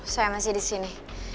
saya masih di sini